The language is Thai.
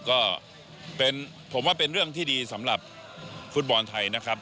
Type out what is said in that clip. ก็ผมว่าเป็นเรื่องที่ดีสำหรับฟุตบอลไทยนะครับ